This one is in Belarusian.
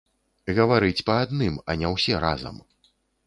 Гаварыць па адным, а не ўсе разам.